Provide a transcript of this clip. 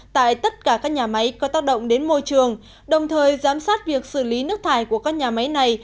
tại tất cả các nhà máy có tác động đến môi trường đồng thời giám sát việc xử lý nước thải của các nhà máy này